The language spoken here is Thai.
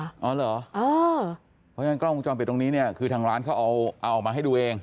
เพราะฉะนั้นกล้องวงจรปิดตรงนี้เนี่ยคือทางร้านเขาเอาออกมาให้ดูเอง